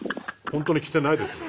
本当にきてないんですか？」